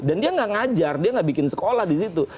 dan dia gak ngajar dia gak bikin sekolah di situ